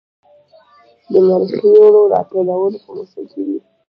د مرخیړیو راټولول په موسم کې وي